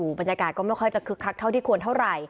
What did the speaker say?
เป็นมุมบรรยากาศจะไม่ค่อยคึกคักเท่าที่ควร